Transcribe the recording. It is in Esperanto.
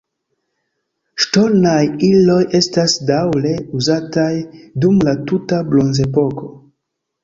Ŝtonaj iloj estas daŭre uzataj dum la tuta bronzepoko.